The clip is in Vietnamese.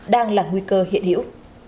đây là nguy cơ hiện hiểu